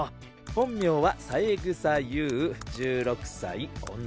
本名は三枝悠宇１６歳女と。